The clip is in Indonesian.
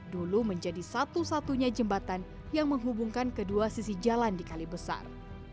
dulu menjadi satu satunya jembatan yang menghubungkan kedua sisi jalan di kalibesar